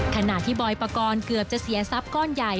ขณะที่บอยปกรณ์เกือบจะเสียทรัพย์ก้อนใหญ่